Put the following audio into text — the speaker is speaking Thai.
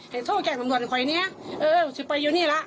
ให้โทรแกร่งสำนวนไข่เนี้ยเออเออจะไปอยู่นี่ล่ะ